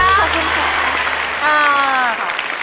ขอบคุณค่ะ